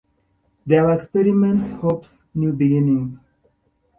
There were experiments, hopes, new beginnings.